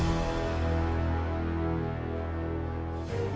kau sudah mencari penawarannya